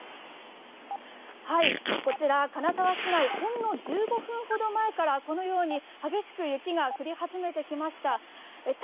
こちら金沢市内、ほんの１５分ほど前からこのように激しく雪が降り始めてきました。